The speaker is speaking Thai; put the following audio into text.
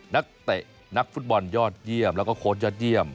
นักเตะนักฟุตบอลยอดเยี่ยมแล้วก็โค้ชยอดเยี่ยม